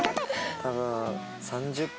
多分。